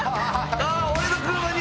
ああ俺の車に！